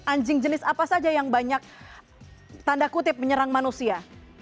anjing jenis apa saja yang banyak tanda kutip menyerang manusia